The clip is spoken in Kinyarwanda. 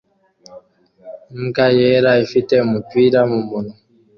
Imbwa yera ifite umupira mumunwa